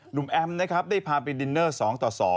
หนุ่มแอมพิษภาพได้พาไปดินเนอร์๒ต่อ๒